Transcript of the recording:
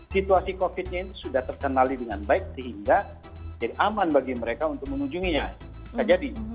situasi covid nya ini sudah terkendali dengan baik sehingga jadi aman bagi mereka untuk mengunjunginya